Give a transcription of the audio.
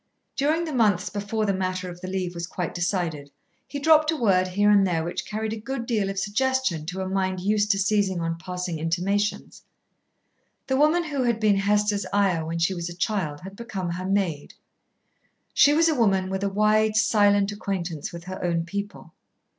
During the months before the matter of the leave was quite decided, he dropped a word here and there which carried a good deal of suggestion to a mind used to seizing on passing intimations. The woman who had been Hester's Ayah when she was a child had become her maid. She was a woman with a wide, silent acquaintance with her own people.